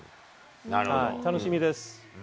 楽しみです。